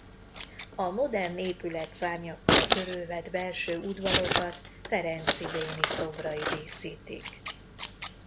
A modern épületszárnyakkal körülvett belső udvarokat Ferenczy Béni szobrai díszítik.